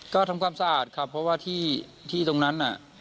ก็ทำความสะอาดครับเพราะว่าที่ตรงนั้นน่ะ